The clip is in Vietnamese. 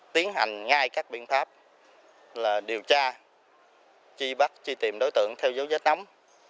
tiến hành ngay các biện pháp là điều tra truy bắt truy tìm đối tượng theo dấu vết nắm